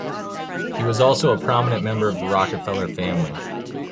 He was also a prominent member of the Rockefeller family.